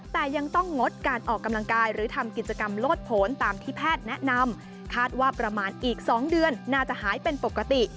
แต่ยังต้องงดการออกกำลังกายหรือทำกิจกรรมโลดผลตามที่แพทย์แนะนำคาดว่าประมาณอีก๒เดือนน่าจะหายเป็นปกติ